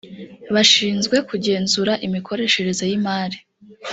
bashinzwe kugenzura imikoreshereze y imari